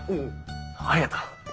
ありがとう。